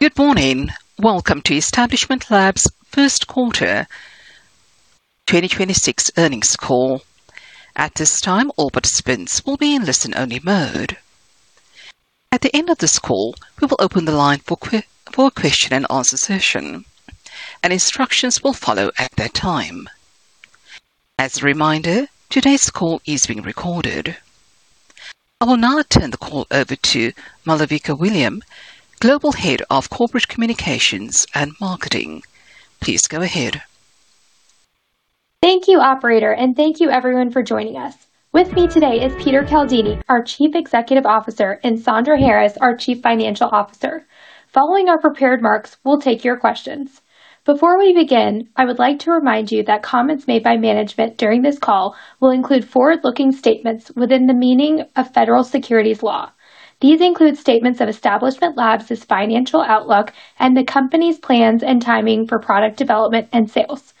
Good morning. Welcome to Establishment Labs' first quarter 2026 earnings call. At this time, all participants will be in listen-only mode. At the end of this call, we will open the line for a question and answer session, and instructions will follow at that time. As a reminder, today's call is being recorded. I will now turn the call over to Malavika William, Global Head of Corporate Communications and Marketing. Please go ahead. Thank you, operator, and thank you everyone for joining us. With me today is Peter Caldini, our Chief Executive Officer, and Sandra Harris, our Chief Financial Officer. Following our prepared remarks, we'll take your questions. Before we begin, I would like to remind you that comments made by management during this call will include forward-looking statements within the meaning of federal securities law. These include statements of Establishment Labs' financial outlook and the company's plans and timing for product development and sales.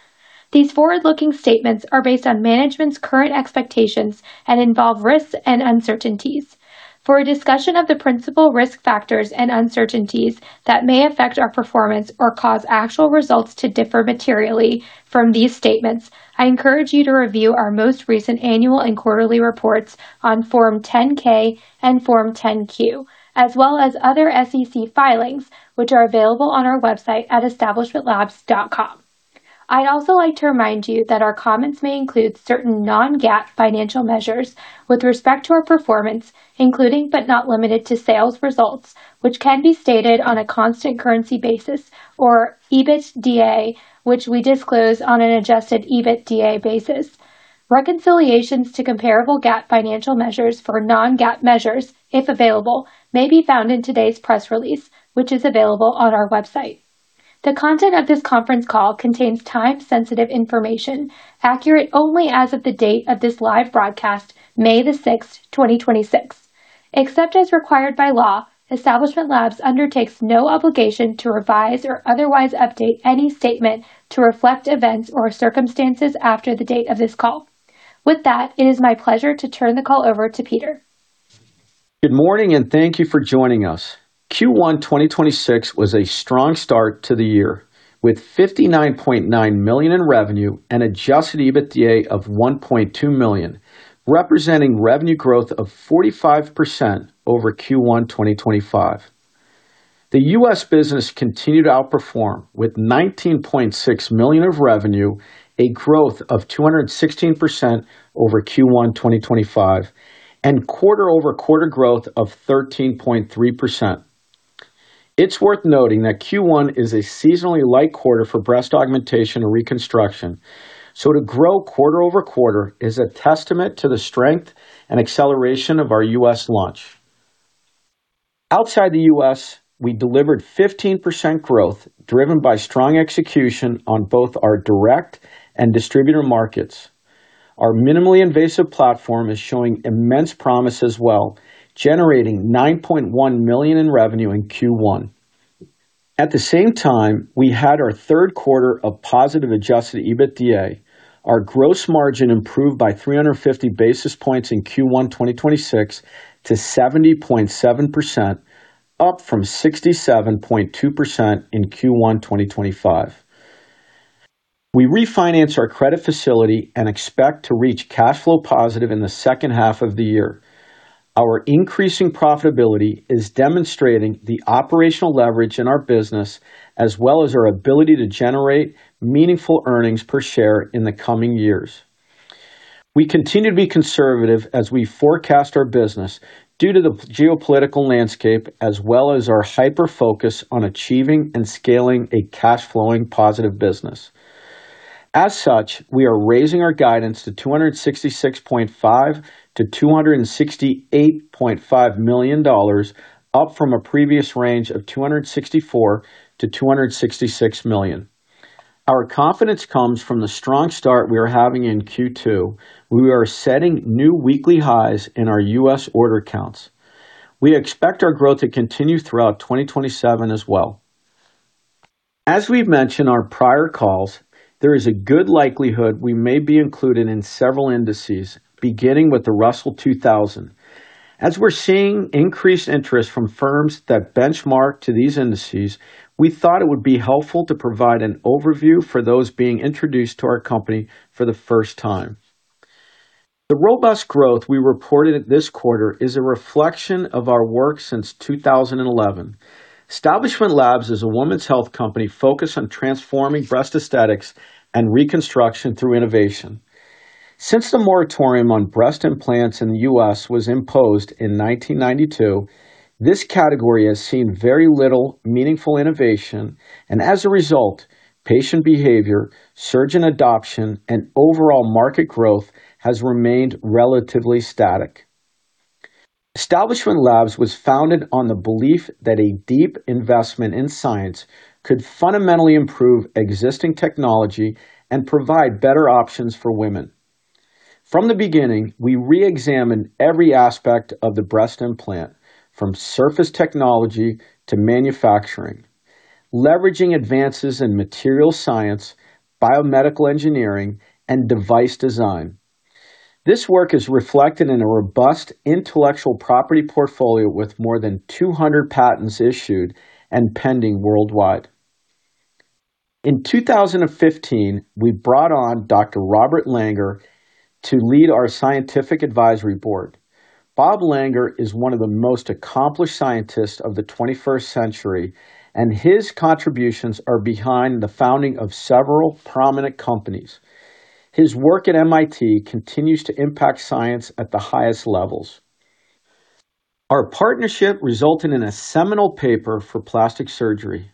These forward-looking statements are based on management's current expectations and involve risks and uncertainties. For a discussion of the principal risk factors and uncertainties that may affect our performance or cause actual results to differ materially from these statements, I encourage you to review our most recent annual and quarterly reports on Form 10-K and Form 10-Q, as well as other SEC filings, which are available on our website at establishmentlabs.com. I'd also like to remind you that our comments may include certain non-GAAP financial measures with respect to our performance, including, but not limited to, sales results, which can be stated on a constant currency basis or EBITDA, which we disclose on an adjusted EBITDA basis. Reconciliations to comparable GAAP financial measures for non-GAAP measures, if available, may be found in today's press release, which is available on our website. The content of this conference call contains time-sensitive information, accurate only as of the date of this live broadcast, May the 6th, 2026. Except as required by law, Establishment Labs undertakes no obligation to revise or otherwise update any statement to reflect events or circumstances after the date of this call. With that, it is my pleasure to turn the call over to Peter. Good morning, and thank you for joining us. Q1 2026 was a strong start to the year, with $59.9 million in revenue and adjusted EBITDA of $1.2 million, representing revenue growth of 45% over Q1 2025. The U.S. business continued to outperform with $19.6 million of revenue, a growth of 216% over Q1 2025, and quarter-over-quarter growth of 13.3%. It's worth noting that Q1 is a seasonally light quarter for breast augmentation and reconstruction. To grow quarter-over-quarter is a testament to the strength and acceleration of our U.S. launch. Outside the U.S., we delivered 15% growth driven by strong execution on both our direct and distributor markets. Our minimally invasive platform is showing immense promise as well, generating $9.1 million in revenue in Q1. At the same time, we had our third quarter of positive adjusted EBITDA. Our gross margin improved by 350 basis points in Q1 2026 to 70.7%, up from 67.2% in Q1 2025. We refinanced our credit facility and expect to reach cash flow positive in the second half of the year. Our increasing profitability is demonstrating the operational leverage in our business, as well as our ability to generate meaningful earnings per share in the coming years. We continue to be conservative as we forecast our business due to the geopolitical landscape as well as our hyper-focus on achieving and scaling a cash flowing positive business. As such, we are raising our guidance to $266.5 million to $268.5 million, up from a previous range of $264 million-$266 million. Our confidence comes from the strong start we are having in Q2. We are setting new weekly highs in our U.S. order counts. We expect our growth to continue throughout 2027 as well. As we've mentioned on our prior calls, there is a good likelihood we may be included in several indices, beginning with the Russell 2000. As we're seeing increased interest from firms that benchmark to these indices, we thought it would be helpful to provide an overview for those being introduced to our company for the first time. The robust growth we reported this quarter is a reflection of our work since 2011. Establishment Labs is a woman's health company focused on transforming breast aesthetics and reconstruction through innovation. Since the moratorium on breast implants in the U.S. was imposed in 1992, this category has seen very little meaningful innovation, and as a result, patient behavior, surgeon adoption, and overall market growth has remained relatively static. Establishment Labs was founded on the belief that a deep investment in science could fundamentally improve existing technology and provide better options for women. From the beginning, we reexamined every aspect of the breast implant, from surface technology to manufacturing, leveraging advances in material science, biomedical engineering, and device design. This work is reflected in a robust intellectual property portfolio with more than 200 patents issued and pending worldwide. In 2015, we brought on Dr. Robert Langer to lead our scientific advisory board. Robert Langer is one of the most accomplished scientists of the 21st century, and his contributions are behind the founding of several prominent companies. His work at MIT continues to impact science at the highest levels. Our partnership resulted in a seminal paper for plastic surgery.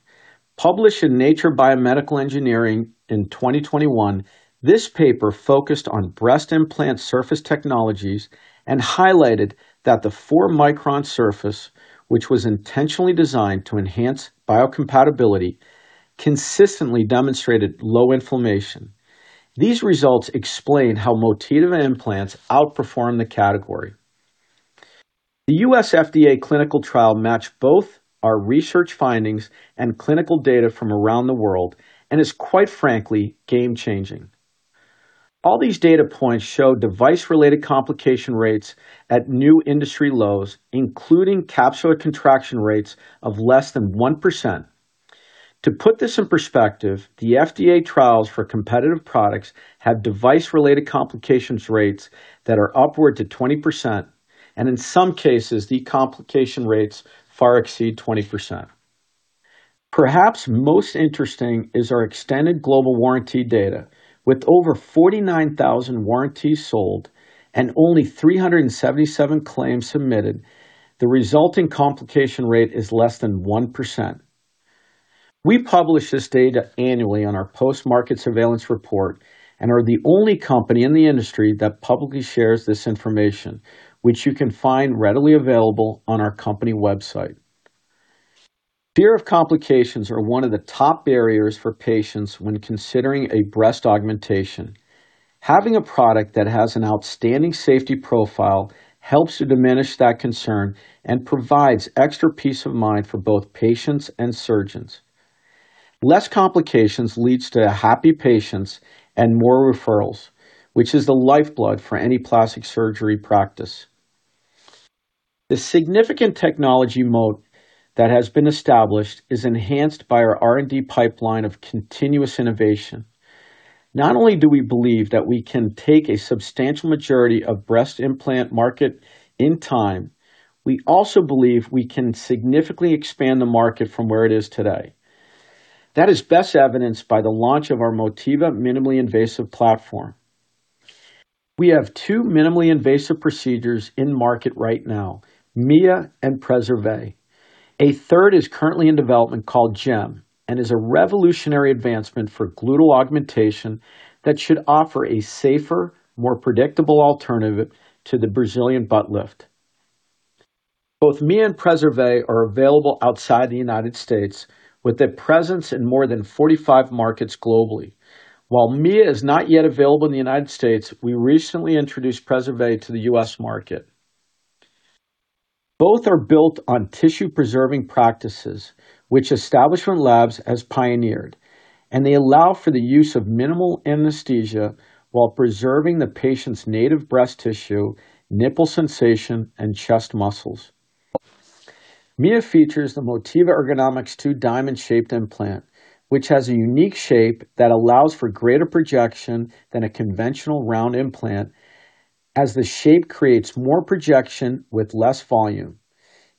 Published in Nature Biomedical Engineering in 2021, this paper focused on breast implant surface technologies and highlighted that the four-micron surface, which was intentionally designed to enhance biocompatibility, consistently demonstrated low inflammation. These results explain how Motiva implants outperform the category. The U.S. FDA clinical trial matched both our research findings and clinical data from around the world and is, quite frankly, game-changing. All these data points show device-related complication rates at new industry lows, including capsular contracture rates of less than 1%. To put this in perspective, the FDA trials for competitive products have device-related complications rates that are upward to 20%, and in some cases, the complication rates far exceed 20%. Perhaps most interesting is our extended global warranty data. With over 49,000 warranties sold and only 377 claims submitted, the resulting complication rate is less than 1%. We publish this data annually on our post-market surveillance report and are the only company in the industry that publicly shares this information, which you can find readily available on our company website. Fear of complications are one of the top barriers for patients when considering a breast augmentation. Having a product that has an outstanding safety profile helps to diminish that concern and provides extra peace of mind for both patients and surgeons. Less complications leads to happy patients and more referrals, which is the lifeblood for any plastic surgery practice. The significant technology moat that has been established is enhanced by our R&D pipeline of continuous innovation. Not only do we believe that we can take a substantial majority of breast implant market in time, we also believe we can significantly expand the market from where it is today. That is best evidenced by the launch of our Motiva minimally invasive platform. We have two minimally invasive procedures in market right now, Mia and Preservé. A third is currently in development called GEM and is a revolutionary advancement for gluteal augmentation that should offer a safer, more predictable alternative to the Brazilian butt lift. Both Mia and Preservé are available outside the United States with a presence in more than 45 markets globally. While Mia is not yet available in the U.S., we recently introduced Preservé to the U.S. market. Both are built on tissue-preserving practices, which Establishment Labs has pioneered, and they allow for the use of minimal anesthesia while preserving the patient's native breast tissue, nipple sensation, and chest muscles. Mia features the Motiva Ergonomix2 diamond-shaped implant, which has a unique shape that allows for greater projection than a conventional round implant as the shape creates more projection with less volume.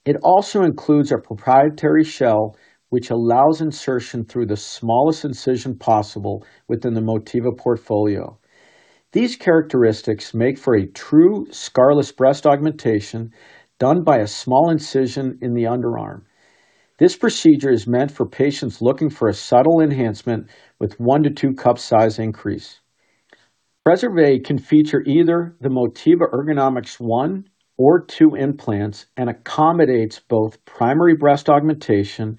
It also includes a proprietary shell, which allows insertion through the smallest incision possible within the Motiva portfolio. These characteristics make for a true scarless breast augmentation done by a small incision in the underarm. This procedure is meant for patients looking for a subtle enhancement with one to two cup size increase. Preservé can feature either the Motiva Ergonomix one or two implants and accommodates both primary breast augmentation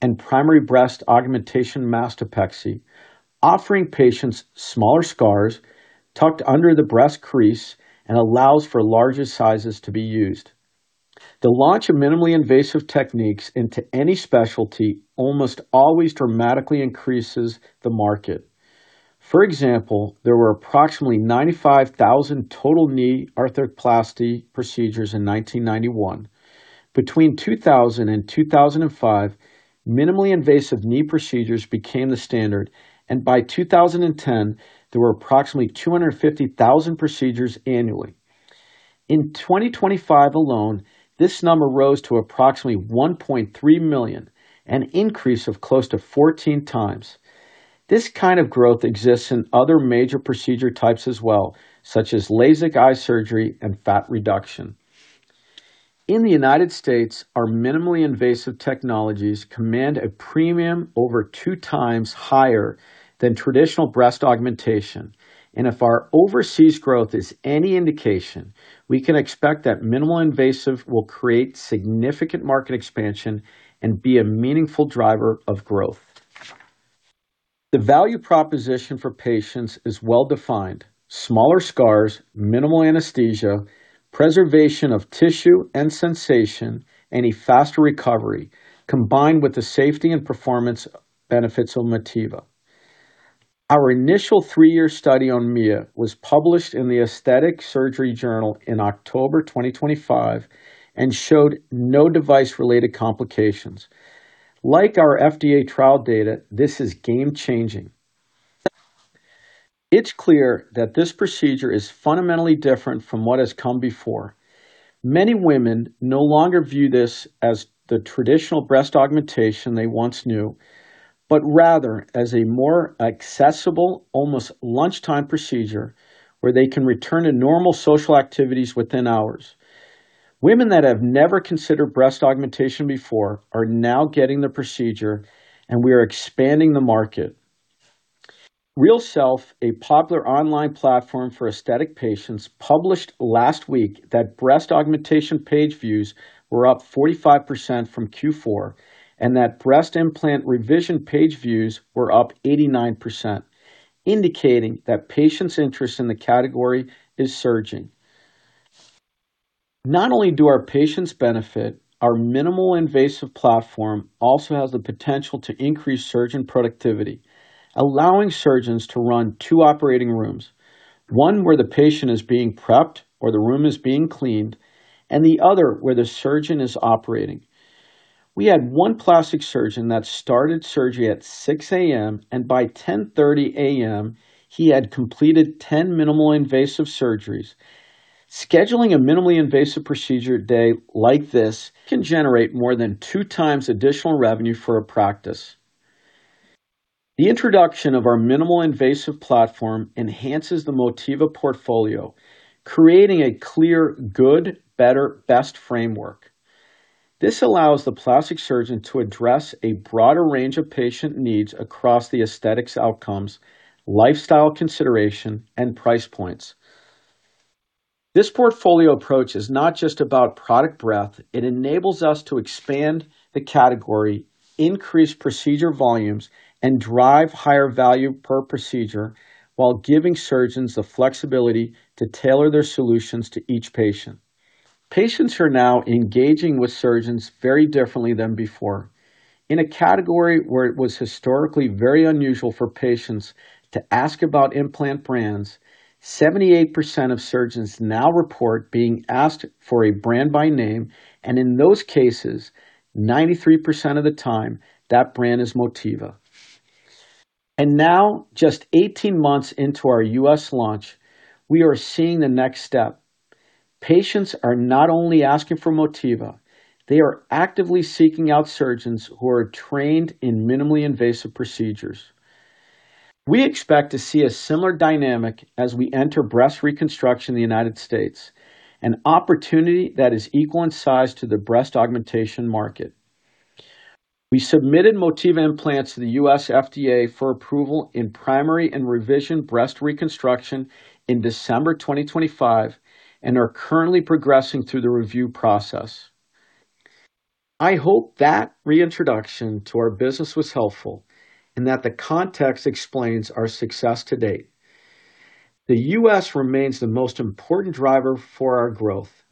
and primary breast augmentation mastopexy, offering patients smaller scars tucked under the breast crease and allows for larger sizes to be used. The launch of minimally invasive techniques into any specialty almost always dramatically increases the market. For example, there were approximately 95,000 total knee arthroplasty procedures in 1991. Between 2000 and 2005, minimally invasive knee procedures became the standard, and by 2010, there were approximately 250,000 procedures annually. In 2025 alone, this number rose to approximately 1.3 million, an increase of close to 14x. This kind of growth exists in other major procedure types as well, such as LASIK eye surgery and fat reduction. In the United States., our minimally invasive technologies command a premium over 2x higher than traditional breast augmentation. If our overseas growth is any indication, we can expect that minimal invasive will create significant market expansion and be a meaningful driver of growth. The value proposition for patients is well defined: smaller scars, minimal anesthesia, preservation of tissue and sensation, and a faster recovery, combined with the safety and performance benefits of Motiva. Our initial three-year study on Mia was published in the Aesthetic Surgery Journal in October 2025 and showed no device-related complications. Like our FDA trial data, this is game-changing. It's clear that this procedure is fundamentally different from what has come before. Many women no longer view this as the traditional breast augmentation they once knew, but rather as a more accessible, almost lunchtime procedure where they can return to normal social activities within hours. Women that have never considered breast augmentation before are now getting the procedure, and we are expanding the market. RealSelf, a popular online platform for aesthetic patients, published last week that breast augmentation page views were up 45% from Q4, and that breast implant revision page views were up 89%, indicating that patients' interest in the category is surging. Not only do our patients benefit, our minimally invasive platform also has the potential to increase surgeon productivity, allowing surgeons to run two operating rooms, one where the patient is being prepped or the room is being cleaned, and the other where the surgeon is operating. We had one plastic surgeon that started surgery at 6:00 A.M., and by 10:30 A.M., he had completed 10 minimally invasive surgeries. Scheduling a minimally invasive procedure day like this can generate more than 2x additional revenue for a practice. The introduction of our minimal invasive platform enhances the Motiva portfolio, creating a clear good, better, best framework. This allows the plastic surgeon to address a broader range of patient needs across the aesthetics outcomes, lifestyle consideration, and price points. This portfolio approach is not just about product breadth, it enables us to expand the category, increase procedure volumes, and drive higher value per procedure while giving surgeons the flexibility to tailor their solutions to each patient. Patients are now engaging with surgeons very differently than before. In a category where it was historically very unusual for patients to ask about implant brands, 78% of surgeons now report being asked for a brand by name, and in those cases, 93% of the time, that brand is Motiva. Now, just 18 months into our U.S. launch, we are seeing the next step. Patients are not only asking for Motiva, they are actively seeking out surgeons who are trained in minimally invasive procedures. We expect to see a similar dynamic as we enter breast reconstruction in the U.S., an opportunity that is equal in size to the breast augmentation market. We submitted Motiva implants to the FDA for approval in primary and revision breast reconstruction in December 2025 and are currently progressing through the review process. I hope that reintroduction to our business was helpful and that the context explains our success to date. The U.S. remains the most important driver for our growth.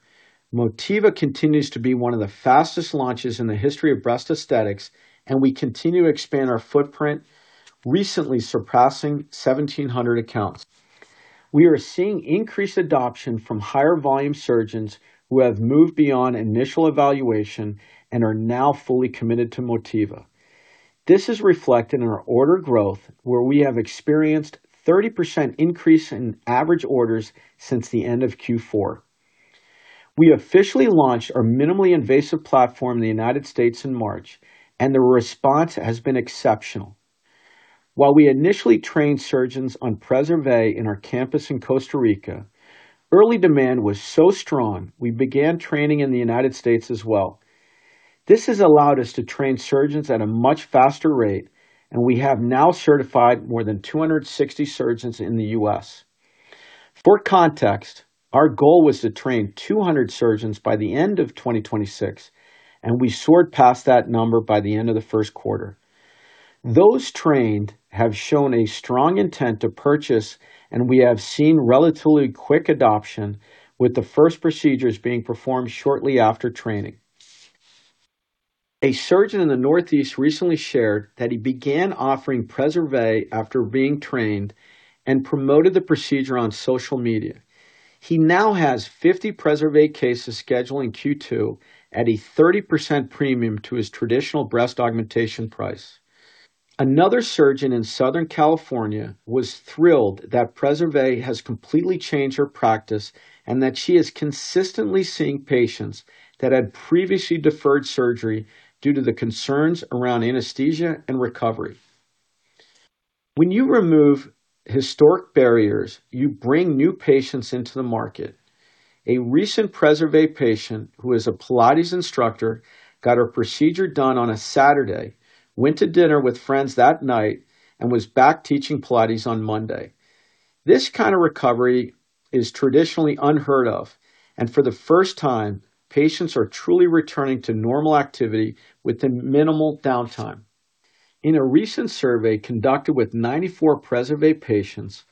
Motiva continues to be one of the fastest launches in the history of breast aesthetics, and we continue to expand our footprint, recently surpassing 1,700 accounts. We are seeing increased adoption from higher volume surgeons who have moved beyond initial evaluation and are now fully committed to Motiva. This is reflected in our order growth, where we have experienced 30% increase in average orders since the end of Q4. We officially launched our minimally invasive platform in the U.S. in March. The response has been exceptional. While we initially trained surgeons on Preservé in our campus in Costa Rica, early demand was so strong we began training in the U.S. as well. This has allowed us to train surgeons at a much faster rate. We have now certified more than 260 surgeons in the U.S. For context, our goal was to train 200 surgeons by the end of 2026. We soared past that number by the end of the first quarter. Those trained have shown a strong intent to purchase, and we have seen relatively quick adoption with the first procedures being performed shortly after training. A surgeon in the Northeast recently shared that he began offering Preservé after being trained and promoted the procedure on social media. He now has 50 Preservé cases scheduled in Q2 at a 30% premium to his traditional breast augmentation price. Another surgeon in Southern California was thrilled that Preservé has completely changed her practice and that she is consistently seeing patients that had previously deferred surgery due to the concerns around anesthesia and recovery. When you remove historic barriers, you bring new patients into the market. A recent Preservé patient who is a Pilates instructor got her procedure done on a Saturday, went to dinner with friends that night, and was back teaching Pilates on Monday. This kind of recovery is traditionally unheard of, and for the first time, patients are truly returning to normal activity with minimal downtime. In a recent survey conducted with 94 Preservé patients,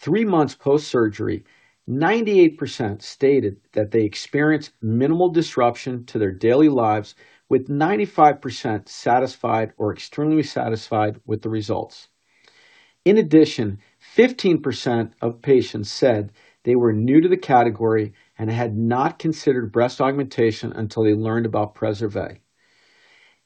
three months post-surgery, 98% stated that they experienced minimal disruption to their daily lives, with 95% satisfied or extremely satisfied with the results. In addition, 15% of patients said they were new to the category and had not considered breast augmentation until they learned about Preservé.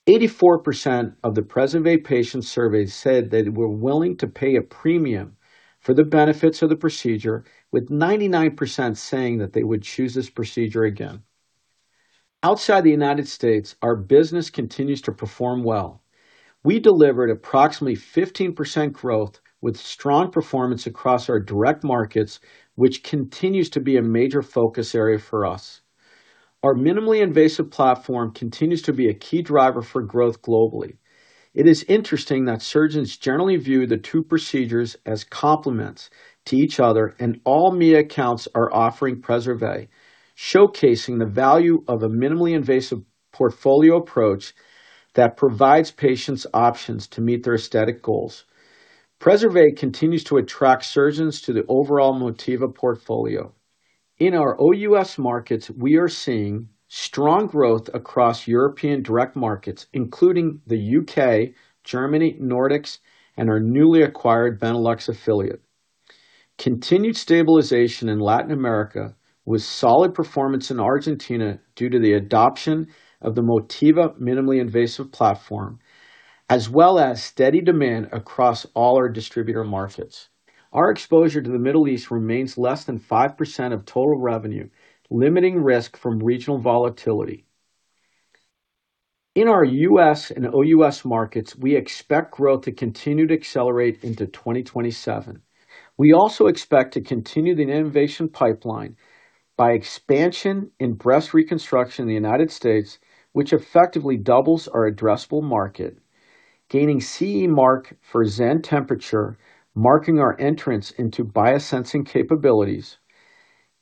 84% of the Preservé patient survey said they were willing to pay a premium for the benefits of the procedure, with 99% saying that they would choose this procedure again. Outside the U.S., our business continues to perform well. We delivered approximately 15% growth with strong performance across our direct markets, which continues to be a major focus area for us. Our minimally invasive platform continues to be a key driver for growth globally. It is interesting that surgeons generally view the two procedures as complements to each other, and all Mia accounts are offering Preservé, showcasing the value of a minimally invasive portfolio approach that provides patients options to meet their aesthetic goals. Preservé continues to attract surgeons to the overall Motiva portfolio. In our OUS markets, we are seeing strong growth across European direct markets, including the U.K., Germany, Nordics, and our newly acquired Benelux affiliate. Continued stabilization in Latin America was solid performance in Argentina due to the adoption of the Motiva minimally invasive platform, as well as steady demand across all our distributor markets. Our exposure to the Middle East remains less than 5% of total revenue, limiting risk from regional volatility. In our U.S. and OUS markets, we expect growth to continue to accelerate into 2027. We also expect to continue the innovation pipeline by expansion in breast reconstruction in the U.S., which effectively doubles our addressable market, gaining CE mark for Zenº temperature, marking our entrance into biosensing capabilities,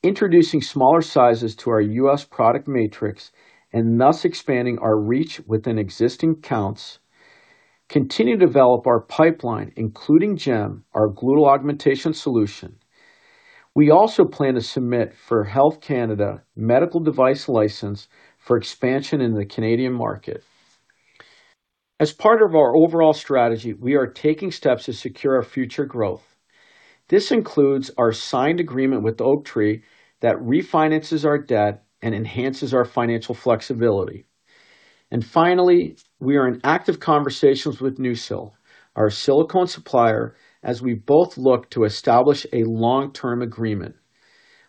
introducing smaller sizes to our U.S. product matrix, and thus expanding our reach within existing accounts, continue to develop our pipeline, including GEM, our gluteal augmentation solution. We also plan to submit for Health Canada medical device license for expansion in the Canadian market. As part of our overall strategy, we are taking steps to secure our future growth. This includes our signed agreement with Oaktree that refinances our debt and enhances our financial flexibility. Finally, we are in active conversations with NuSil, our silicone supplier, as we both look to establish a long-term agreement.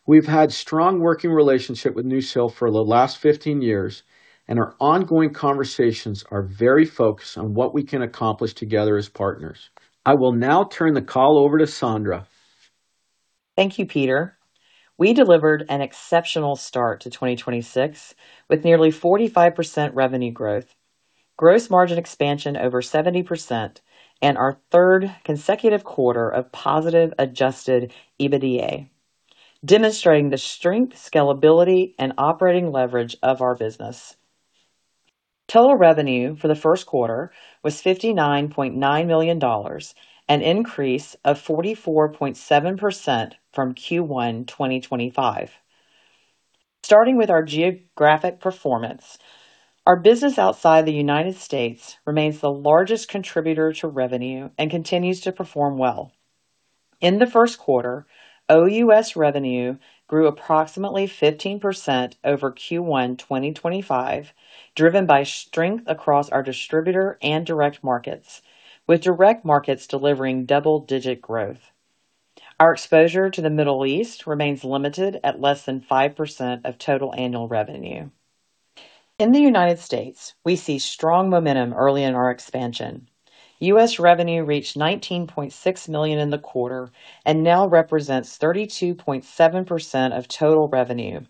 We've had strong working relationship with NuSil for the last 15 years, and our ongoing conversations are very focused on what we can accomplish together as partners. I will now turn the call over to Sandra. Thank you, Peter. We delivered an exceptional start to 2026 with nearly 45% revenue growth, gross margin expansion over 70%, and our third consecutive quarter of positive adjusted EBITDA, demonstrating the strength, scalability, and operating leverage of our business. Total revenue for the first quarter was $59.9 million, an increase of 44.7% from Q1 2025. Starting with our geographic performance, our business outside the U.S. remains the largest contributor to revenue and continues to perform well. In the first quarter, OUS revenue grew approximately 15% over Q1 2025, driven by strength across our distributor and direct markets, with direct markets delivering double-digit growth. Our exposure to the Middle East remains limited at less than 5% of total annual revenue. In the U.S., we see strong momentum early in our expansion. U.S. revenue reached $19.6 million in the quarter and now represents 32.7% of total revenue,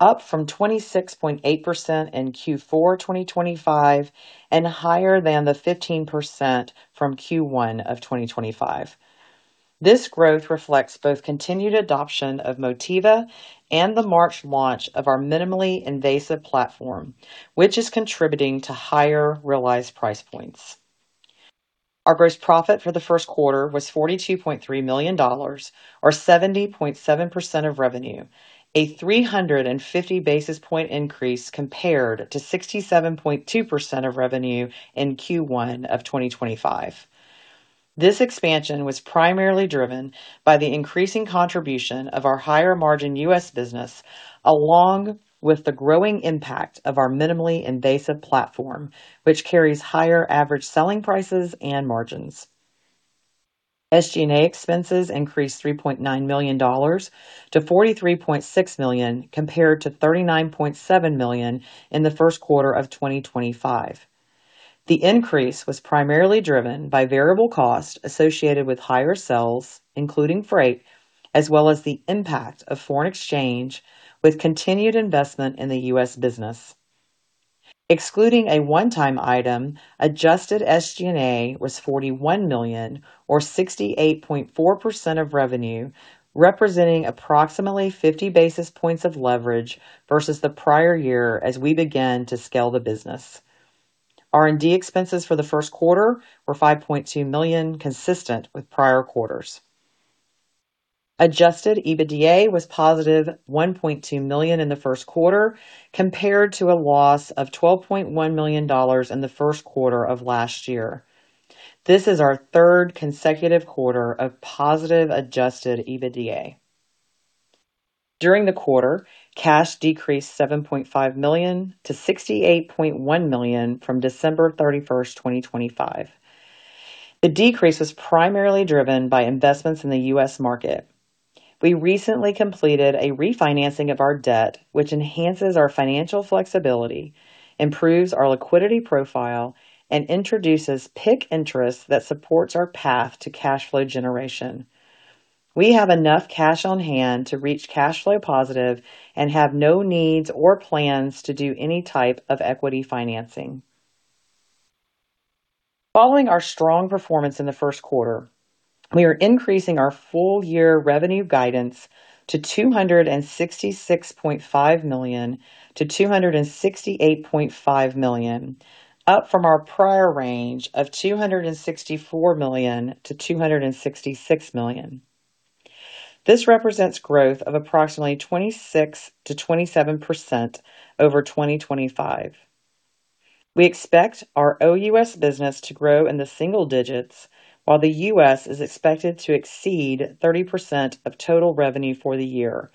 up from 26.8% in Q4 2025 and higher than the 15% from Q1 of 2025. This growth reflects both continued adoption of Motiva and the March launch of our minimally invasive platform, which is contributing to higher realized price points. Our gross profit for the first quarter was $42.3 million, or 70.7% of revenue, a 350 basis point increase compared to 67.2% of revenue in Q1 of 2025. This expansion was primarily driven by the increasing contribution of our higher margin U.S. business, along with the growing impact of our minimally invasive platform, which carries higher average selling prices and margins. SG&A expenses increased $3.9 million-$43.6 million compared to $39.7 million in the first quarter of 2025. The increase was primarily driven by variable costs associated with higher sales, including freight, as well as the impact of foreign exchange with continued investment in the U.S. business. Excluding a one-time item, adjusted SG&A was $41 million or 68.4% of revenue, representing approximately 50 basis points of leverage versus the prior year as we begin to scale the business. R&D expenses for the first quarter were $5.2 million consistent with prior quarters. Adjusted EBITDA was positive $1.2 million in the first quarter compared to a loss of $12.1 million in the first quarter of last year. This is our third consecutive quarter of positive adjusted EBITDA. During the quarter, cash decreased $7.5 million-$68.1 million from December 31st, 2025. The decrease was primarily driven by investments in the U.S. market. We recently completed a refinancing of our debt, which enhances our financial flexibility, improves our liquidity profile, and introduces PIK interest that supports our path to cash flow generation. We have enough cash on hand to reach cash flow positive and have no needs or plans to do any type of equity financing. Following our strong performance in the first quarter, we are increasing our full year revenue guidance to $266.5 million-$268.5 million, up from our prior range of $264 million-$266 million. This represents growth of approximately 26%-27% over 2025. We expect our OUS business to grow in the single digits, while the US is expected to exceed 30% of total revenue for the year,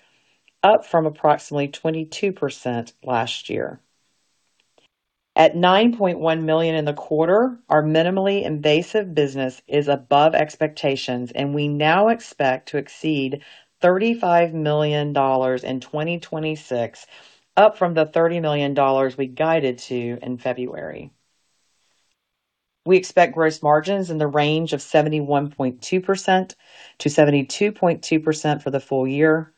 up from approximately 22% last year. At $9.1 million in the quarter, our minimally invasive business is above expectations, and we now expect to exceed $35 million in 2026, up from the $30 million we guided to in February. We expect gross margins in the range of 71.2%-72.2% for the full year.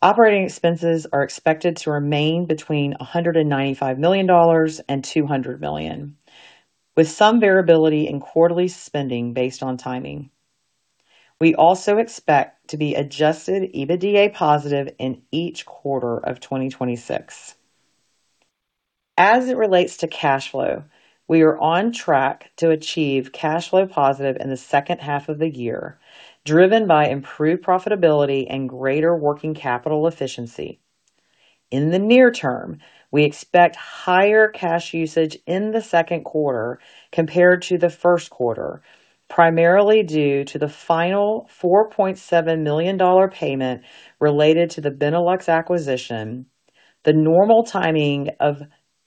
Operating expenses are expected to remain between $195 million and $200 million, with some variability in quarterly spending based on timing. We also expect to be adjusted EBITDA positive in each quarter of 2026. As it relates to cash flow, we are on track to achieve cash flow positive in the second half of the year, driven by improved profitability and greater working capital efficiency. In the near term, we expect higher cash usage in the second quarter compared to the first quarter, primarily due to the final $4.7 million payment related to the Benelux acquisition, the normal timing of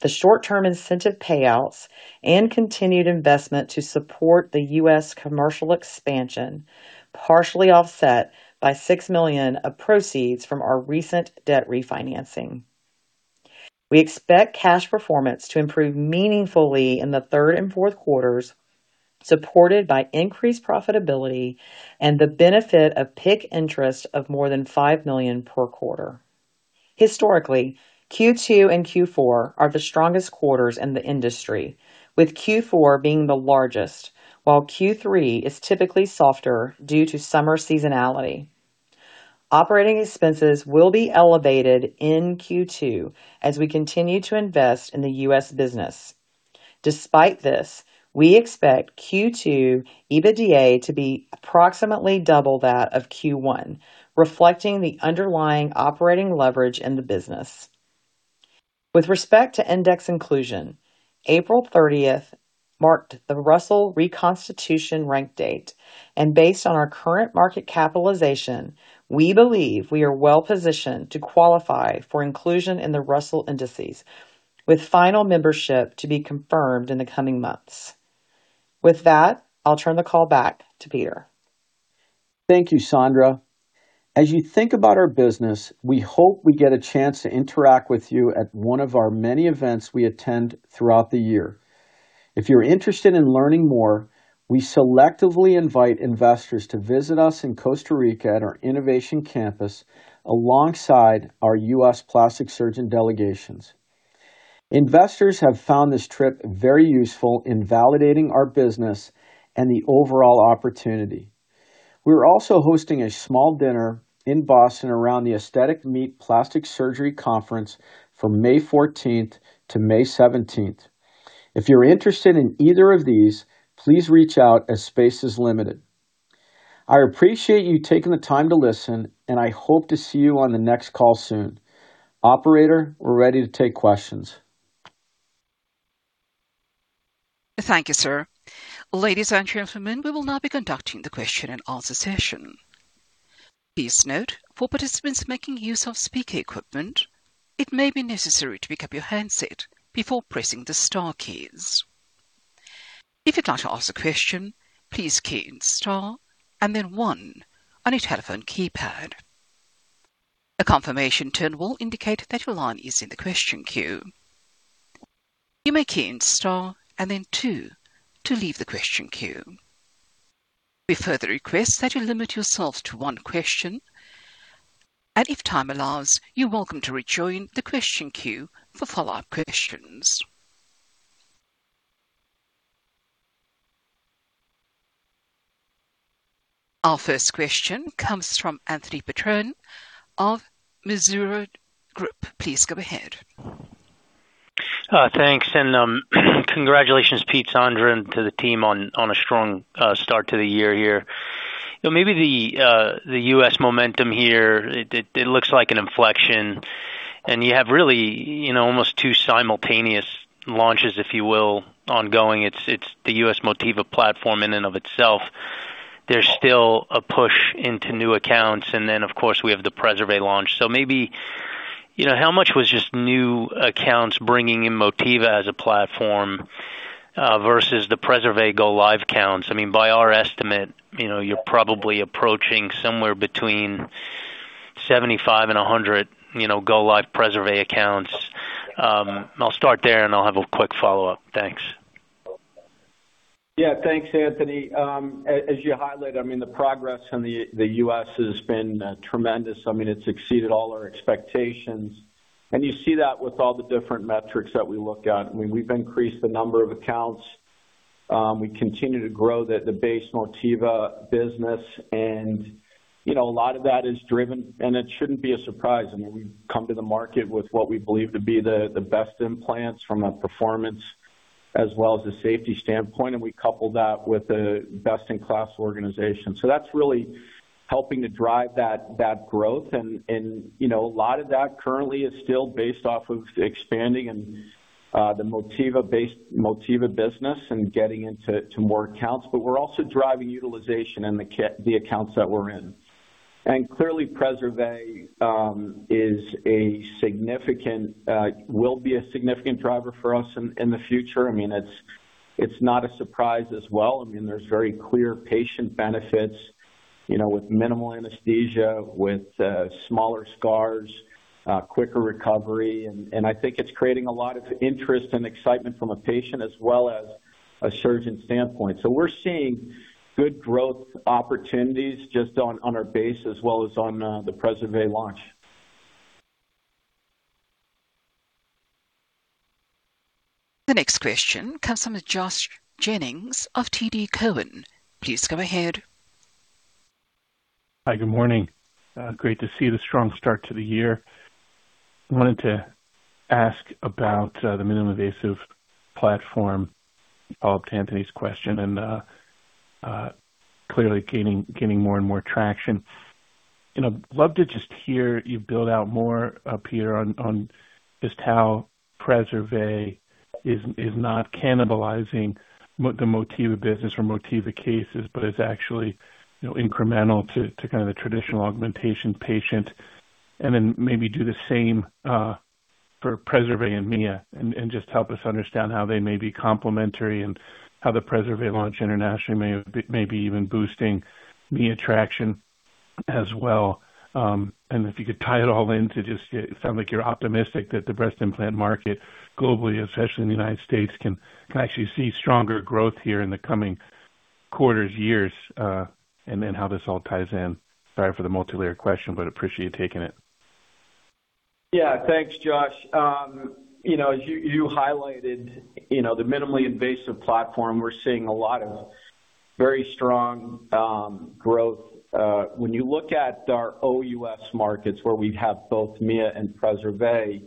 the short-term incentive payouts, and continued investment to support the U.S. commercial expansion, partially offset by $6 million of proceeds from our recent debt refinancing. We expect cash performance to improve meaningfully in the third and fourth quarters, supported by increased profitability and the benefit of PIK interest of more than $5 million per quarter. Historically, Q2 and Q4 are the strongest quarters in the industry, with Q4 being the largest, while Q3 is typically softer due to summer seasonality. Operating expenses will be elevated in Q2 as we continue to invest in the U.S. business. Despite this, we expect Q2 EBITDA to be approximately double that of Q1, reflecting the underlying operating leverage in the business. With respect to index inclusion, April 30th marked the Russell reconstitution rank date, and based on our current market capitalization, we believe we are well-positioned to qualify for inclusion in the Russell indices, with final membership to be confirmed in the coming months. With that, I'll turn the call back to Peter. Thank you, Sandra. As you think about our business, we hope we get a chance to interact with you at one of our many events we attend throughout the year. If you're interested in learning more, we selectively invite investors to visit us in Costa Rica at our innovation campus alongside our U.S. plastic surgeon delegations. Investors have found this trip very useful in validating our business and the overall opportunity. We're also hosting a small dinner in Boston around The Aesthetic Meeting from May 14th to May 17th. If you're interested in either of these, please reach out as space is limited. I appreciate you taking the time to listen, and I hope to see you on the next call soon. Operator, we're ready to take questions. Thank you, sir. Ladies and gentlemen, we will now be conducting the question and answer session. Please note for participants making use of speaker equipment, it may be necessary to pick up your handset before pressing the star keys. If you'd like to ask a question, please key in star and then one on your telephone keypad. A confirmation tone will indicate that your line is in the question queue. You may key in star and then two to leave the question queue. We further request that you limit yourself to one question, and if time allows, you're welcome to rejoin the question queue for follow-up questions. Our first question comes from Anthony Petrone of Mizuho Group. Please go ahead. Thanks. Congratulations, Peter, Sandra, and to the team on a strong start to the year here. You know, maybe the U.S. momentum here, it looks like an inflection. You have really, you know, almost two simultaneous launches, if you will, ongoing. It's the U.S. Motiva platform in and of itself. There's still a push into new accounts. Of course, we have the Preservé launch. Maybe, you know, how much was just new accounts bringing in Motiva as a platform versus the Preservé go-live accounts? I mean, by our estimate, you know, you're probably approaching somewhere between 75 and 100, you know, go-live Preservé accounts. I'll start there, and I'll have a quick follow-up. Thanks. Thanks, Anthony. As you highlighted, I mean, the progress in the U.S. has been tremendous. I mean, it's exceeded all our expectations. You see that with all the different metrics that we look at. I mean, we've increased the number of accounts. We continue to grow the base Motiva business. You know, a lot of that is driven. It shouldn't be a surprise. I mean, we've come to the market with what we believe to be the best implants from a performance as well as a safety standpoint, and we couple that with a best-in-class organization. That's really helping to drive that growth. You know, a lot of that currently is still based off of expanding and the Motiva business and getting into more accounts. We're also driving utilization in the accounts that we're in. Clearly, Preservé will be a significant driver for us in the future. I mean, it's not a surprise as well. I mean, there's very clear patient benefits, you know, with minimal anesthesia, with smaller scars, quicker recovery. I think it's creating a lot of interest and excitement from a patient as well as a surgeon standpoint. We're seeing good growth opportunities just on our base as well as on the Preservé launch. The next question comes from Josh Jennings of TD Cowen. Please go ahead. Hi, good morning. Great to see the strong start to the year. I wanted to ask about the minimum invasive platform, follow-up to Anthony's question, and clearly gaining more and more traction. You know, love to just hear you build out more, Peter, on just how Preservé is not cannibalizing Motiva business or Motiva cases, but is actually, you know, incremental to kind of the traditional augmentation patient. Then maybe do the same for Preservé and Mia, and just help us understand how they may be complementary and how the Preservé launch internationally may be even boosting Mia traction as well. If you could tie it all into just, it sound like you're optimistic that the breast implant market globally, especially in the United States, can actually see stronger growth here in the coming quarters, years, and then how this all ties in. Sorry for the multilayer question, but appreciate you taking it. Thanks, Josh. You know, as you highlighted, you know, the minimally invasive platform, we're seeing a lot of very strong growth. When you look at our OUS markets, where we have both Mia and Preservé,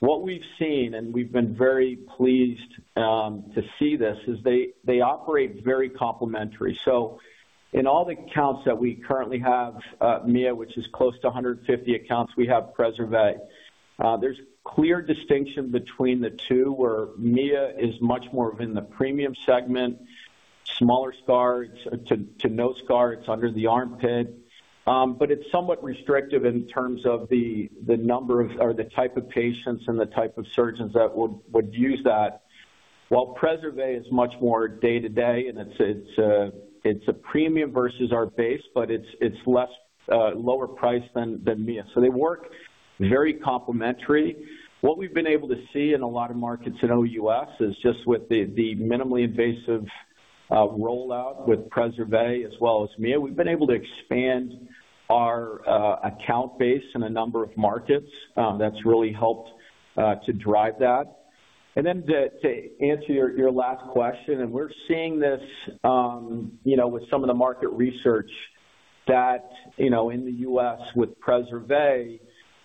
what we've seen, and we've been very pleased to see this, is they operate very complementary. In all the accounts that we currently have, Mia, which is close to 150 accounts, we have Preservé. There's clear distinction between the two, where Mia is much more of in the premium segment, smaller scars to no scars. It's under the armpit. It's somewhat restrictive in terms of the number of or the type of patients and the type of surgeons that would use that. While Preservé is much more day-to-day, it's a premium versus our base, it's less, lower priced than Mia. They work very complementary. What we've been able to see in a lot of markets in OUS is just with the minimally invasive rollout with Preservé as well as Mia, we've been able to expand our account base in a number of markets that's really helped to drive that. To answer your last question, We're seeing this, you know, with some of the market research that, you know, in the U.S. with Preservé,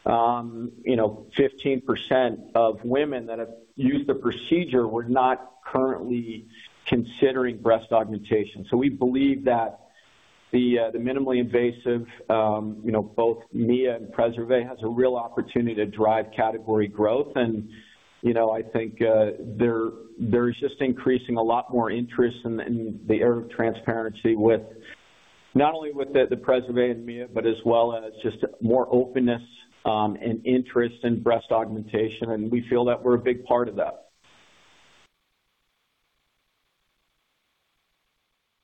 you know, 15% of women that have used the procedure were not currently considering breast augmentation. We believe that the minimally invasive, you know, both Mia and Preservé has a real opportunity to drive category growth. You know, I think there is just increasing a lot more interest in the area of transparency with, not only with the Preservé and Mia, but as well as just more openness, and interest in breast augmentation, and we feel that we're a big part of that.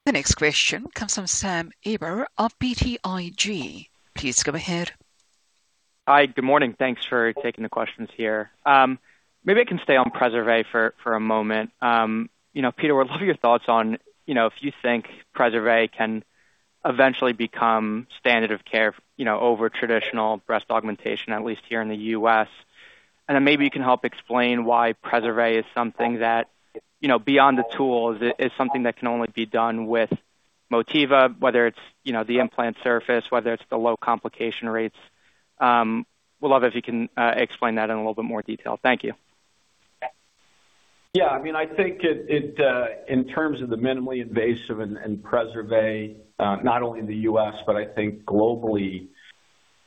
The next question comes from Sam Eiber of BTIG. Please go ahead. Hi, good morning. Thanks for taking the questions here. Maybe I can stay on Preservé for a moment. You know, Peter, would love your thoughts on, you know, if you think Preservé can eventually become standard of care, you know, over traditional breast augmentation, at least here in the U.S. Maybe you can help explain why Preservé is something that, you know, beyond the tools, is something that can only be done with. Motiva, whether it's, you know, the implant surface, whether it's the low complication rates, would love if you can explain that in a little bit more detail. Thank you. I mean, I think it, in terms of the minimally invasive and Preservé, not only in the U.S., but I think globally,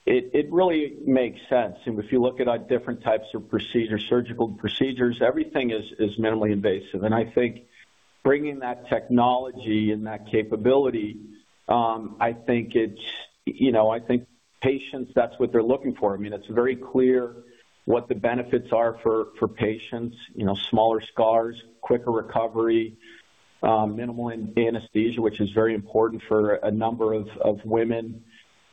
it really makes sense. If you look at, like, different types of procedures, surgical procedures, everything is minimally invasive. I think bringing that technology and that capability, I think it's, you know, patients, that's what they're looking for. I mean, it's very clear what the benefits are for patients. You know, smaller scars, quicker recovery, minimal anesthesia, which is very important for a number of women.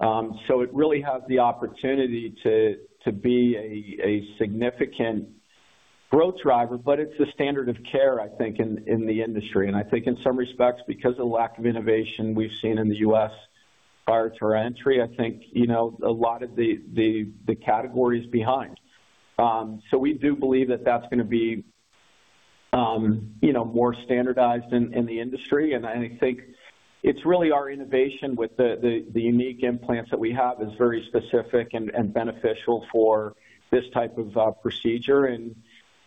It really has the opportunity to be a significant growth driver, but it's the standard of care, I think, in the industry. I think in some respects, because of the lack of innovation we've seen in the U.S. prior to our entry, I think, you know, a lot of the category is behind. We do believe that that's gonna be, you know, more standardized in the industry. I think it's really our innovation with the unique implants that we have is very specific and beneficial for this type of procedure.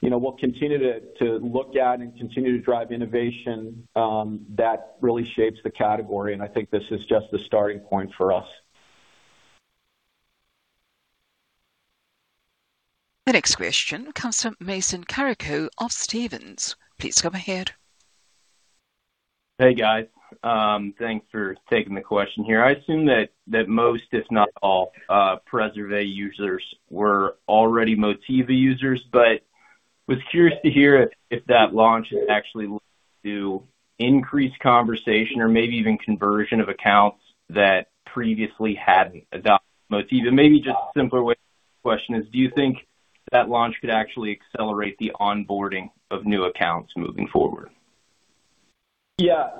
You know, we'll continue to look at and continue to drive innovation that really shapes the category, and I think this is just the starting point for us. The next question comes from Mason Carrico of Stephens. Please go ahead. Hey, guys. Thanks for taking the question here. I assume that most, if not all, Preservé users were already Motiva users, but was curious to hear if that launch has actually led to increased conversation or maybe even conversion of accounts that previously hadn't adopted Motiva. Maybe just a simpler way to the question is, do you think that launch could actually accelerate the onboarding of new accounts moving forward? Yeah.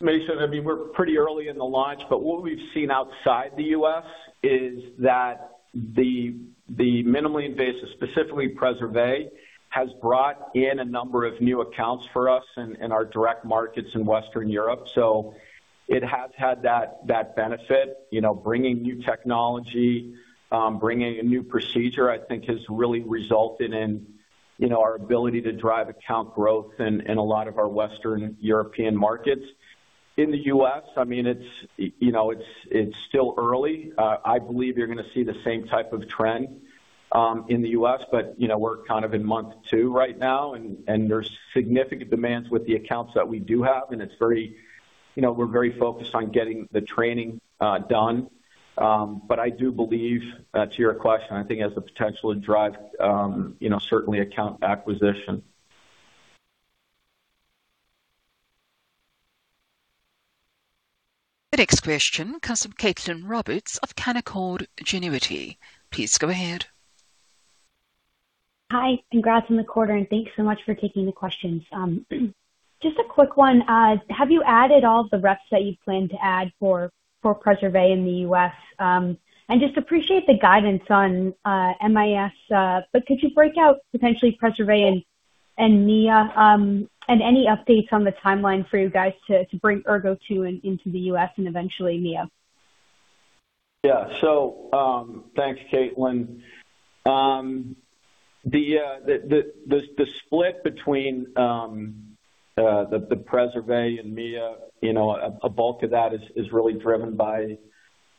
Mason, I mean, we're pretty early in the launch, but what we've seen outside the U.S. is that the minimally invasive, specifically Preservé, has brought in a number of new accounts for us in our direct markets in Western Europe. It has had that benefit. You know, bringing new technology, bringing a new procedure, I think, has really resulted in, you know, our ability to drive account growth in a lot of our Western European markets. In the U.S., I mean, it's, you know, it's still early. I believe you're gonna see the same type of trend in the U.S., but, you know, we're kind of in month two right now and there's significant demands with the accounts that we do have, and You know, we're very focused on getting the training done. I do believe, to your question, I think it has the potential to drive, you know, certainly account acquisition. The next question comes from Caitlin Roberts of Canaccord Genuity. Please go ahead. Hi. Congrats on the quarter, and thanks so much for taking the questions. Just a quick one. Have you added all the reps that you plan to add for Preservé in the U.S.? Just appreciate the guidance on MIS, but could you break out potentially Preservé and Mia, and any updates on the timeline for you guys to bring Ergo2 into the U.S. and eventually Mia? Thanks, Caitlin. The split between the Preservé and Mia, you know, a bulk of that is really driven by,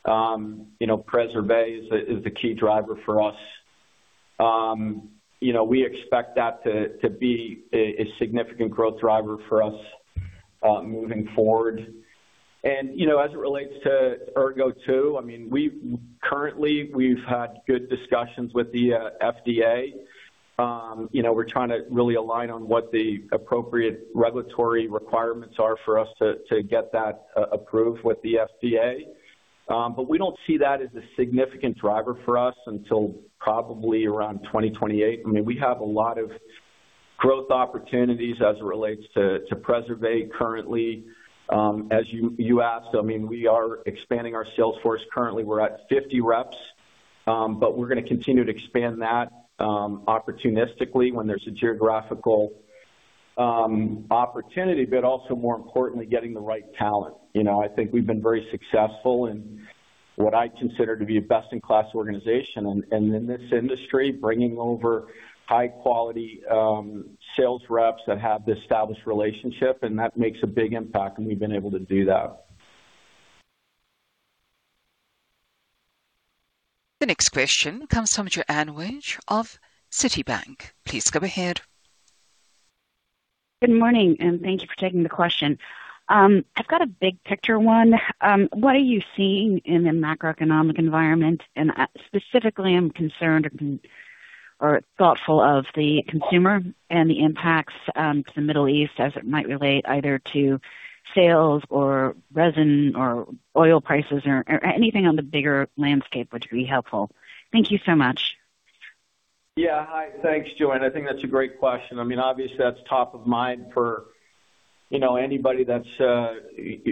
you know, Preservé is the key driver for us. You know, we expect that to be a significant growth driver for us moving forward. You know, as it relates to Ergo2, I mean, currently we've had good discussions with the FDA. You know, we're trying to really align on what the appropriate regulatory requirements are for us to get that approved with the FDA. We don't see that as a significant driver for us until probably around 2028. I mean, we have a lot of growth opportunities as it relates to Preservé currently. As you asked, I mean, we are expanding our sales force. Currently, we're at 50 reps, but we're gonna continue to expand that opportunistically when there's a geographical opportunity, but also more importantly, getting the right talent. You know, I think we've been very successful in what I consider to be a best-in-class organization and in this industry, bringing over high-quality sales reps that have the established relationship, and that makes a big impact, and we've been able to do that. The next question comes from Joanne Wuensch of Citibank. Please go ahead. Good morning, and thank you for taking the question. I've got a big picture one. What are you seeing in the macroeconomic environment? Specifically I'm concerned or thoughtful of the consumer and the impacts to the Middle East as it might relate either to sales or resin or oil prices or anything on the bigger landscape would be helpful. Thank you so much. Yeah. Hi. Thanks, Joanne. I think that's a great question. I mean, obviously that's top of mind for, you know, anybody that's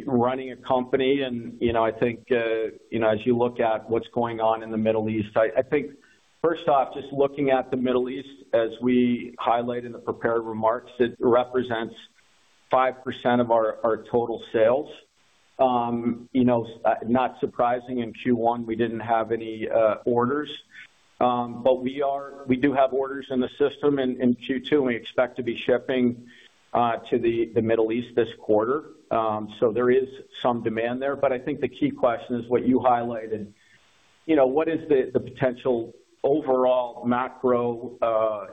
running a company. You know, I think, you know, as you look at what's going on in the Middle East, I think first off, just looking at the Middle East, as we highlight in the prepared remarks, it represents 5% of our total sales. You know, not surprising in Q1, we didn't have any orders. We do have orders in the system in Q2, we expect to be shipping to the Middle East this quarter. There is some demand there. I think the key question is what you highlighted. You know, what is the potential overall macro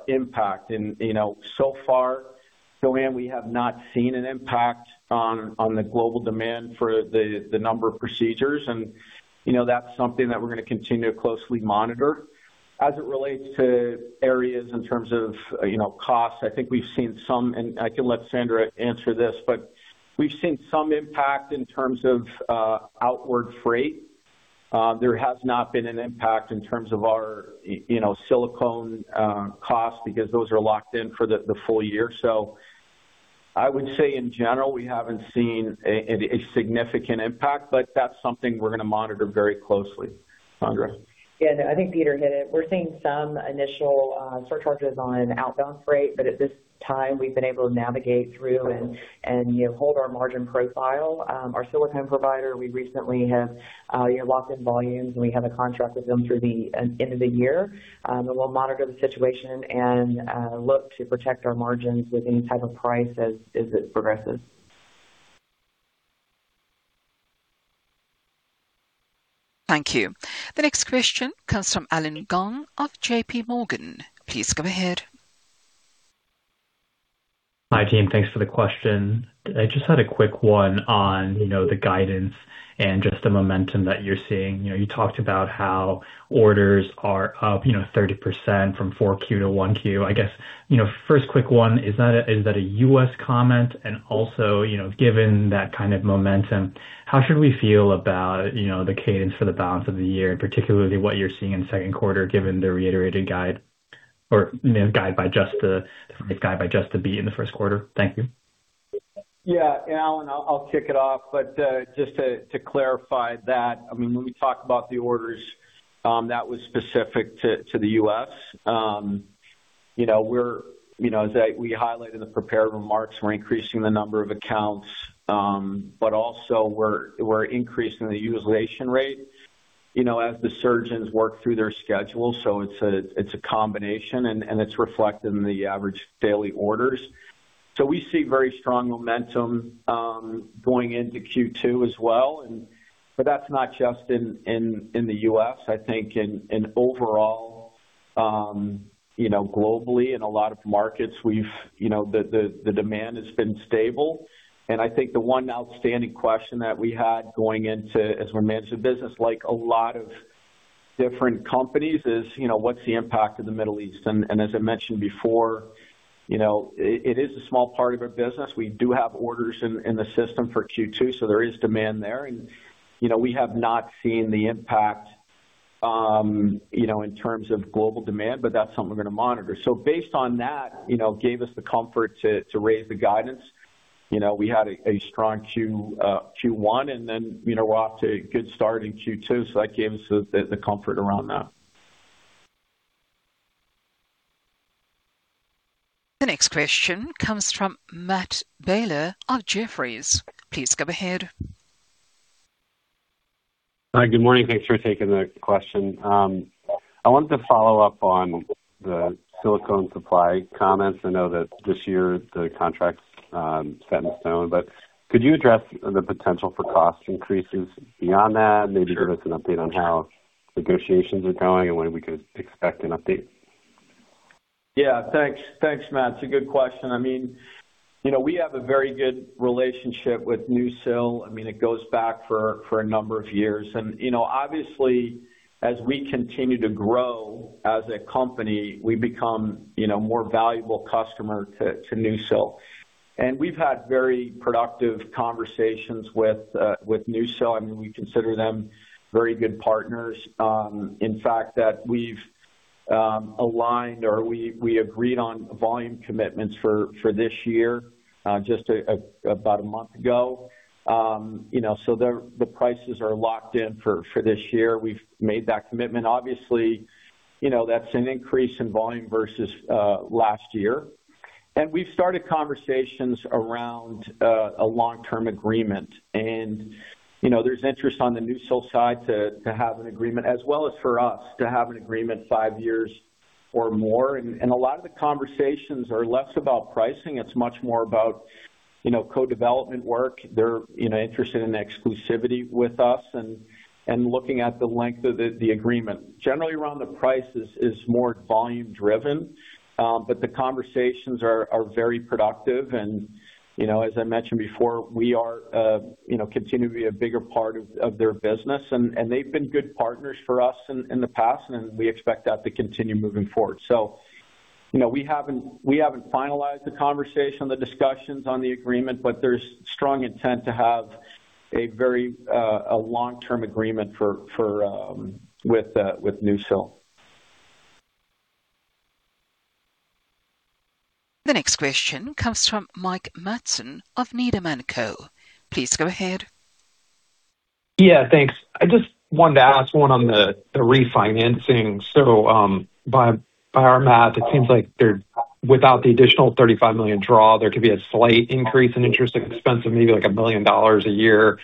impact? You know, so far, Joanne, we have not seen an impact on the global demand for the number of procedures. You know, that's something that we're gonna continue to closely monitor. As it relates to areas in terms of, you know, costs, I think we've seen some, and I can let Sandra answer this, but we've seen some impact in terms of outward freight. There has not been an impact in terms of our, you know, silicone costs, because those are locked in for the full year. I would say in general, we haven't seen a significant impact, but that's something we're gonna monitor very closely. Sandra? Yeah. No, I think Peter hit it. We're seeing some initial surcharges on outbound freight, but at this time, we've been able to navigate through and, you know, hold our margin profile. Our silicone provider, we recently have, you know, locked in volumes, and we have a contract with them through the end of the year. We'll monitor the situation and look to protect our margins with any type of price as it progresses. Thank you. The next question comes from Allen Gong of JPMorgan. Please go ahead. Hi, team. Thanks for the question. I just had a quick one on, you know, the guidance and just the momentum that you're seeing. You talked about how orders are up, you know, 30% from 4Q to 1Q. First quick one, is that a U.S. comment? Given that kind of momentum, how should we feel about, you know, the cadence for the balance of the year, and particularly what you're seeing in the second quarter, given the reiterated guide or, you know, guide by just the beat in the first quarter? Thank you. Yeah. Allen, I'll kick it off. Just to clarify that, I mean, when we talk about the orders, that was specific to the U.S. You know, as we highlighted in the prepared remarks, we're increasing the number of accounts, but also we're increasing the utilization rate, you know, as the surgeons work through their schedule. It's a combination, and it's reflected in the average daily orders. We see very strong momentum going into Q2 as well. That's not just in the U.S. I think in overall, you know, globally, in a lot of markets, we've, you know, the demand has been stable. I think the one outstanding question that we had going into as we're managing business, like a lot of different companies, is, you know, what's the impact of the Middle East? As I mentioned before, you know, it is a small part of our business. We do have orders in the system for Q2, so there is demand there. We have not seen the impact, you know, in terms of global demand, but that's something we're gonna monitor. Based on that, you know, gave us the comfort to raise the guidance. You know, we had a strong Q1, we're off to a good start in Q2, so that gave us the comfort around that. The next question comes from Matt Taylor of Jefferies. Please go ahead. Hi. Good morning. Thanks for taking the question. I wanted to follow up on the silicone supply comments. I know that this year the contract's set in stone, but could you address the potential for cost increases beyond that? Maybe give us an update on how negotiations are going and when we could expect an update. Yeah. Thanks. Thanks, Matt. It's a good question. I mean, you know, we have a very good relationship with NuSil. I mean, it goes back for a number of years. You know, obviously, as we continue to grow as a company, we become, you know, a more valuable customer to NuSil. We've had very productive conversations with NuSil, and we consider them very good partners. In fact, that we've aligned or we agreed on volume commitments for this year, just about a month ago. You know, the prices are locked in for this year. We've made that commitment. Obviously, you know, that's an increase in volume versus last year. We've started conversations around a long-term agreement and, you know, there's interest on the NuSil side to have an agreement as well as for us to have an agreement five years or more. A lot of the conversations are less about pricing. It's much more about, you know, co-development work. They're, you know, interested in exclusivity with us and looking at the length of the agreement. Generally around the price is more volume driven. The conversations are very productive. You know, as I mentioned before, we are, you know, continue to be a bigger part of their business. They've been good partners for us in the past, and we expect that to continue moving forward. You know, we haven't finalized the conversation, the discussions on the agreement, but there's strong intent to have a very long-term agreement for with NuSil. The next question comes from Mike Matson of Needham & Co. Please go ahead. Yeah, thanks. I just wanted to ask one on the refinancing. By our math, it seems like without the additional $35 million draw, there could be a slight increase in interest expense of maybe like $1 billion a year.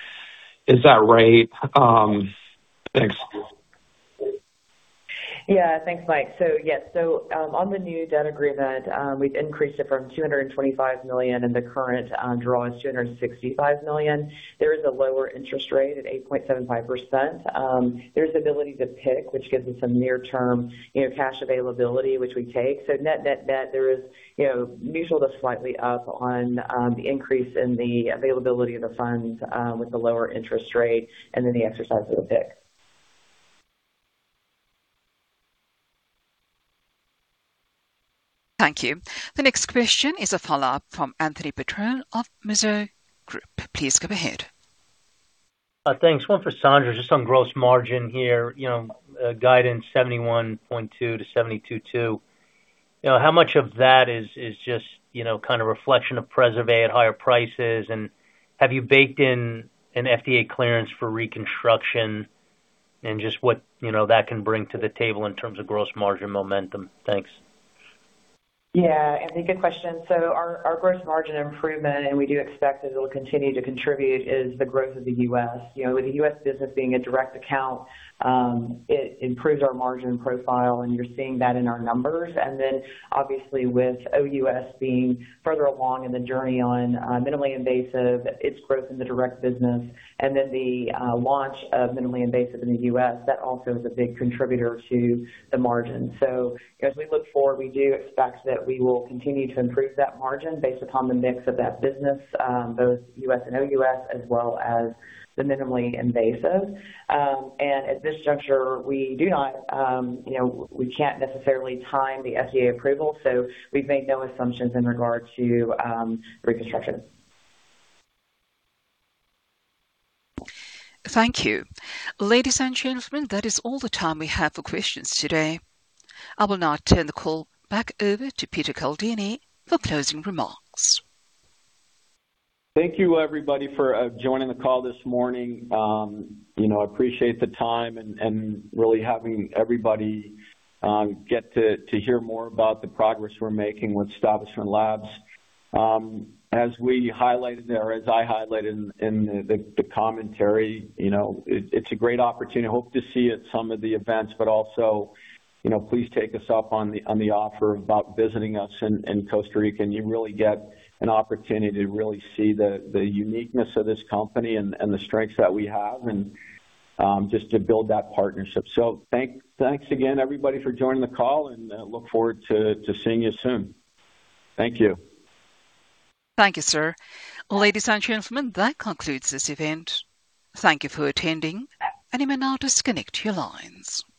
Is that right? Thanks. Thanks, Mike. Yes. On the new debt agreement, we've increased it from $225 million. The current draw is $265 million. There is a lower interest rate at 8.75%. There's the ability to PIK, which gives us some near-term, you know, cash availability, which we take. Net, net, there is, you know, neutral to slightly up on the increase in the availability of the funds with the lower interest rate and then the exercise of the PIK. Thank you. The next question is a follow-up from Anthony Petrone of Mizuho Group. Please go ahead. Thanks. One for Sandra, just on gross margin here. Guidance 71.2% to 72.2%. How much of that is just, kind of reflection of Preservé at higher prices? Have you baked in an FDA clearance for reconstruction and just what that can bring to the table in terms of gross margin momentum? Thanks. Yeah. Anthony, good question. Our gross margin improvement, and we do expect that it'll continue to contribute is the growth of the U.S. You know, with the U.S. business being a direct account, it improves our margin profile, and you're seeing that in our numbers. Obviously with OUS being further along in the journey on minimally invasive, its growth in the direct business, then the launch of minimally invasive in the U.S., that also is a big contributor to the margin. As we look forward, we do expect that we will continue to improve that margin based upon the mix of that business, both U.S. and OUS, as well as the minimally invasive. At this juncture, we do not, you know, we can't necessarily time the FDA approval, so we've made no assumptions in regard to reconstruction. Thank you. Ladies and gentlemen, that is all the time we have for questions today. I will now turn the call back over to Peter Caldini for closing remarks. Thank you, everybody, for joining the call this morning. You know, I appreciate the time and really having everybody get to hear more about the progress we're making with Establishment Labs. As we highlighted there, as I highlighted in the commentary, you know, it's a great opportunity. I hope to see you at some of the events, but also, you know, please take us up on the offer about visiting us in Costa Rica, and you really get an opportunity to really see the uniqueness of this company and the strengths that we have and just to build that partnership. Thanks again, everybody, for joining the call, and look forward to seeing you soon. Thank you. Thank you, sir. Ladies and gentlemen, that concludes this event. Thank you for attending. You may now disconnect your lines.